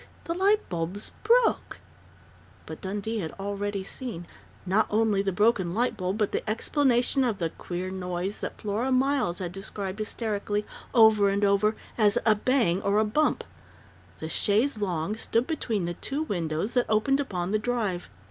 The light bulb's broke!" But Dundee had already seen not only the broken light bulb but the explanation of the queer noise that Flora Miles had described hysterically over and over, as "a bang or a bump." The chaise lounge stood between the two windows that opened upon the drive.